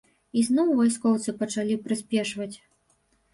І зноў вайскоўцы пачалі прыспешваць.